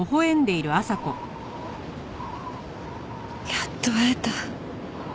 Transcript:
やっと会えた。